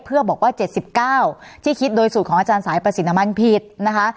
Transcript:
เพื่อบอกว่า๗๙ที่คิดโดยสูตรของอาจารย์สายประสิทธิ์มันผิดนะคะ